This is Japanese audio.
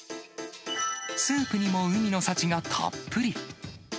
スープにも海の幸がたっぷり。